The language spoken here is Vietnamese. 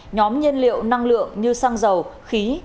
nhóm nhiên liệu năng lượng như xăng dầu khí